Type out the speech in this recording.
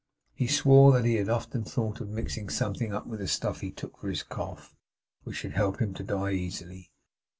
He swore that he had often thought of mixing something with the stuff he took for his cough, which should help him to die easily.